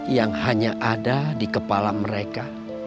yang hanya ada di kepala mereka